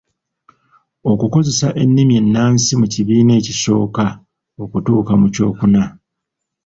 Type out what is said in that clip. Okukozesa ennimi ennansi mu kibiina ekisooka okutuuka mu kyokuna.